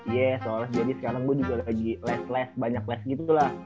yes soalnya jadi sekarang gue lagi lagi les les banyak les gitu lah